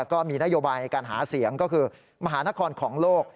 ก็มีนโยบายในการหาเสียงก็คือมหานครของโลก